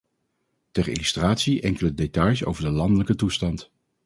Ter illustratie enkele details over de landelijke toestand.